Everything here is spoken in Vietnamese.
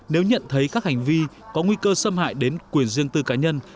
nếu nhận thấy các hành vi có nguy cơ xâm hại đến quyền riêng tư cá nhân